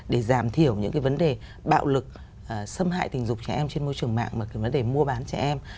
để giảm thiểu những cái vấn đề bạo lực xâm hại tình dục trẻ em trên môi trường mạng và cái vấn đề mua bán trẻ em